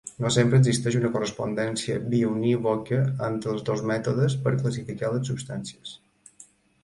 No sempre existeix una correspondència biunívoca entre els dos mètodes per classificar les substàncies.